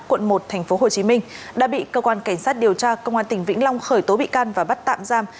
quận một tp hcm đã bị cơ quan cảnh sát điều tra công an tỉnh vĩnh long khởi tố bị can và bắt tạm giam